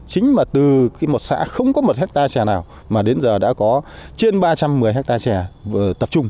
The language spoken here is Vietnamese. chính mà từ cái một xã không có một hectare trè nào mà đến giờ đã có trên ba trăm một mươi hectare trè tập trung